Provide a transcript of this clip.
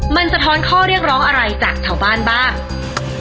มันสะท้อนข้อเรียกร้องอะไรจากชาวบ้านบ้าง